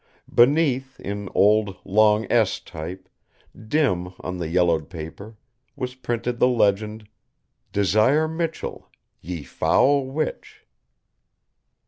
Beneath in old long s type, dim on the yellowed paper, was printed the legend: "_Desire Michell, ye foule witch.